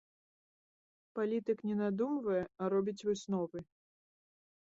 Палітык не надумвае, а робіць высновы.